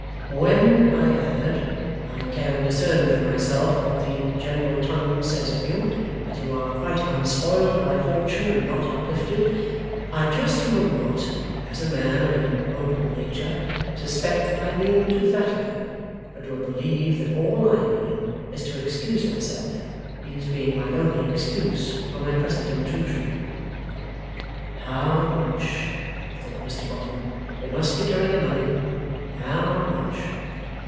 'When I add, I can discern for myself what the general tongue says of you that you are quite unspoiled by Fortune, and not uplifted I trust you will not, as a man of an open nature, suspect that I mean to flatter you, but will believe that all I mean is to excuse myself, these being my only excuses for my present intrusion.' ['How much?' thought Mr Boffin. 'It must be coming to money. How much?